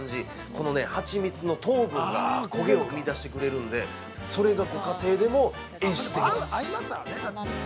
このはちみつの糖分が焦げを生み出してくれるんでそれがご家庭でも演出できます。